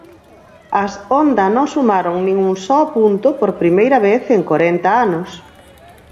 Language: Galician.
As Honda non sumaron nin un só punto por primeira vez en corenta anos.